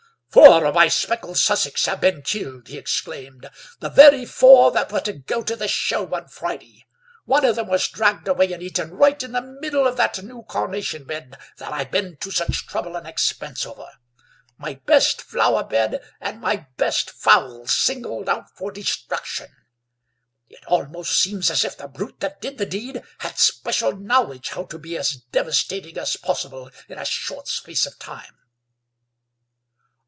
"Four of my speckled Sussex have been killed," he exclaimed; "the very four that were to go to the show on Friday. One of them was dragged away and eaten right in the middle of that new carnation bed that I've been to such trouble and expense over. My best flower bed and my best fowls singled out for destruction; it almost seems as if the brute that did the deed had special knowledge how to be as devastating as possible in a short space of time."